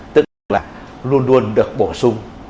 tức là luôn luôn được bổ sung